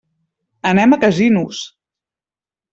Anem a Casinos.